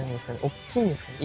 大きいんですか？